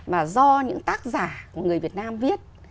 mà do những tác giả của người việt nam viết